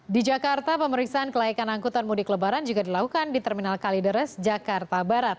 di jakarta pemeriksaan kelaikan angkutan mudik lebaran juga dilakukan di terminal kalideres jakarta barat